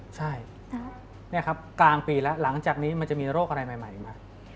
ใช่นี่ครับกลางปีแล้วหลังจากนี้มันจะมีโรคอะไรใหม่อีกไหม